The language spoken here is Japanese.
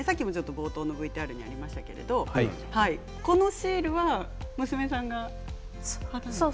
冒頭にもありましたけれどこのシールは娘さんが貼るんですね。